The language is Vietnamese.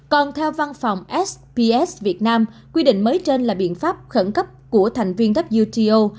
còn theo văn phòng sps việt nam quy định mới trên là biện pháp khẩn cấp của thành viên wto